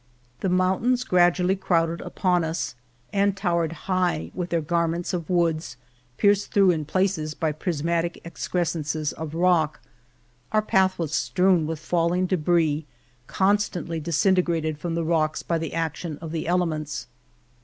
The mountains gradually crowded upon us and towered high with their garments of Venta de Cardenas woods, pierced through in places by pris matic excrescences of rock. Our path was strewn with falling debris, constantly disin tegrated from the rocks by the action of the elements.